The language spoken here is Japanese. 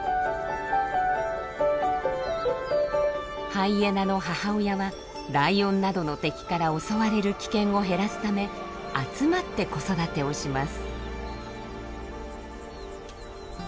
ハイエナの母親はライオンなどの敵から襲われる危険を減らすため集まって子育てをします。